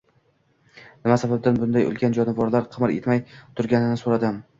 nima sababdan bunday ulkan jonivorlar qimir etmay turganini so'radim.